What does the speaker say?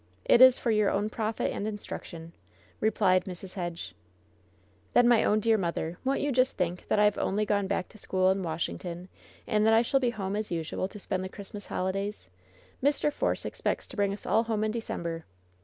It is for your own profit and instruction," replied Mrs. Hedge. "Then, my own dear mother, won't you just think that I have only gone back to school in Washington, and that I shall be home as usual to spend the Christmas holidays ? Mr. Force expects to bring us all home in December."